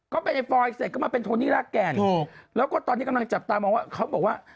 ก็ไปในฟอยเสร็จก็มาเป็นโทนี่รากแก่นถูกแล้วก็ตอนนี้กำลังจับตามองว่าเขาบอกว่า